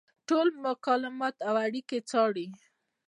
ټول مکالمات او اړیکې څاري.